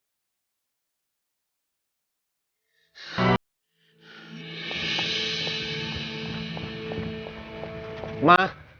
al bisa jelasin ma